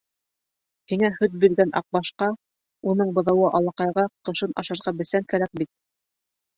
— Һиңә һөт биргән Аҡбашҡа, уның быҙауы Алаҡайға ҡышын ашарға бесән кәрәк бит.